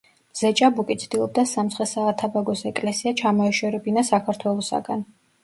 მზეჭაბუკი ცდილობდა სამცხე-საათაბაგოს ეკლესია ჩამოეშორებინა საქართველოსაგან.